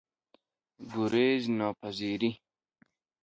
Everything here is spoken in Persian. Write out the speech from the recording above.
گریزناپذیری